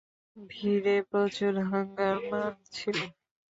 ভিড়ে প্রচুর হাংগামা ছিলো।